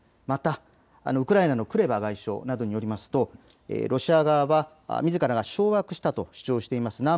またウクライナのクレバ外相などによりますとロシア側は、みずからが掌握したと主張しています